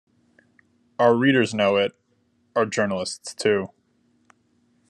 Our readers know it, our journalists too.